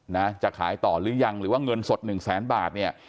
นะจะขายต่อหรือยังหรือว่าเงินสดหนึ่งแสนบาทเนี่ย